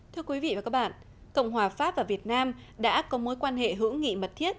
thưa quý vị và các bạn cộng hòa pháp và việt nam đã có mối quan hệ hữu nghị mật thiết